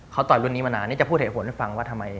เขาต่อยรุ่นนี้มานานนี่จะพูดเหตุผลให้ฟังว่าทำไม